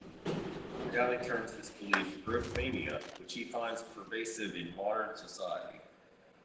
Daly terms this belief 'growthmania', which he finds pervasive in modern society.